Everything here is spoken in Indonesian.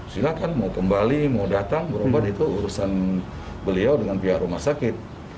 silahkan mau kembali mau datang berobat itu urusan beliau dengan pihak rumah sakit